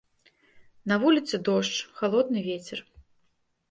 На вуліцы дождж, халодны вецер.